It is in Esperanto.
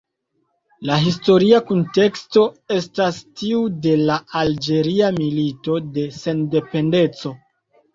La historia kunteksto estas tiu de la Alĝeria Milito de Sendependeco.